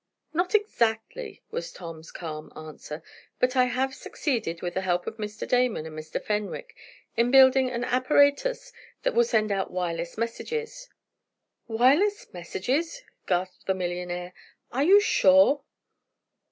"Not exactly." was Tom's calm answer, "but I have succeeded, with the help of Mr. Damon and Mr. Fenwick, in building an apparatus that will send out wireless messages!" "Wireless messages!" gasped the millionaire. "Are you sure?"